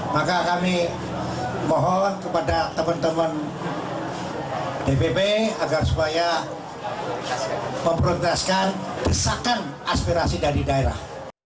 maka kami mohon kepada teman teman dpp agar supaya memprioritaskan desakan aspirasi dari daerah